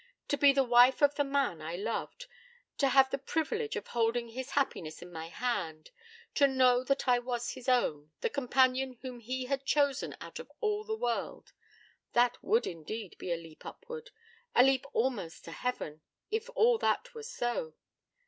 To be the wife of the man I loved; to have the privilege of holding his happiness in my hand; to know that I was his own the companion whom he had chosen out of all the world that would, indeed, be a leap upward; a leap almost to heaven, if all that were so.